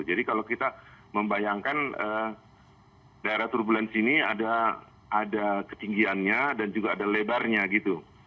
jadi kalau kita membayangkan daerah turbulence ini ada ketinggiannya dan juga ada lebarnya gitu